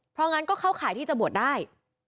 เพราะงั้นก็เข้าข่ายที่จะบวชได้